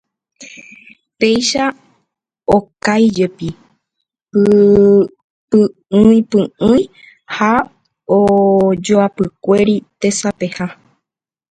Péicha okáijepi py'ỹipy'ỹi ha ojoapykuéri tesapeha.